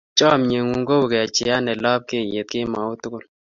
Chomye ng'ung' kou kecheyat ne lapkeei kemout tukul.